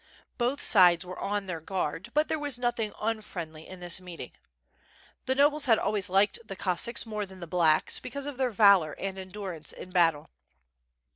Both sides were on their guard, but there was nothing unfriendly in this meeting. .The nobles had always liked the Cossacks more than the *T[)lackB," because of their valor and endurance in battle.